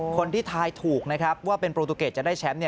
คนที่ทายถูกนะครับว่าเป็นโปรตูเกตจะได้แชมป์